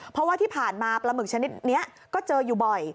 เพราะว่าที่ผ่านมาปลาหมึกชนิดนี้ก็เจออยู่บ่อย